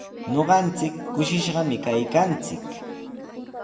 Ñuqanchik kushishqami kaykanchik.